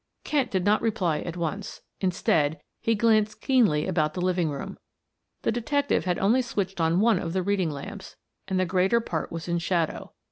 Kent did not reply at once; instead, he glanced keenly about the living room. The detective had only switched on one of the reading lamps and the greater part was in shadow.